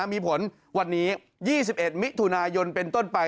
มีผลวันนี้๒๑มิถุนายนเป็นต้นไป